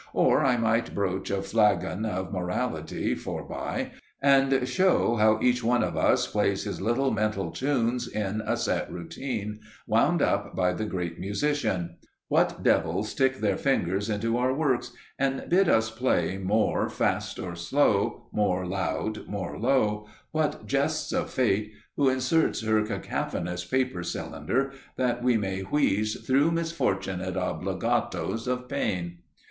Or I might broach a flagon of morality, forbye, and show how each one of us plays his little mental tunes in a set routine, wound up by the Great Musician; what devils stick their fingers into our works, and bid us play more fast or slow, more loud, more low; what jests of Fate, who inserts her cacophonous paper cylinder that we may wheeze through misfortunate obbligatos of pain.